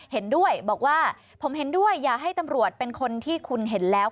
เห็นด้วยบอกว่าผมเห็นด้วยอย่าให้ตำรวจเป็นคนที่คุณเห็นแล้ว